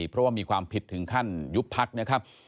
เพราะว่ามีความผิดถึงขั้นยุบพักนะครับ